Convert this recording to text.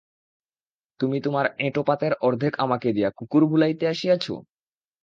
তুমি তোমার এঁটো পাতের অর্ধেক আমাকে দিয়া কুকুর ভুলাইতে আসিয়াছ!